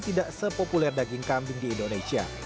tidak sepopuler daging kambing di indonesia